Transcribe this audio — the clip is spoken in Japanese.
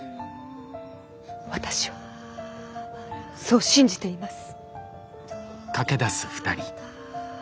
私はそう信じています。